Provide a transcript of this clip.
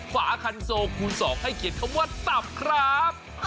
ฝาคันโซคูณ๒ให้เขียนคำว่าตับครับ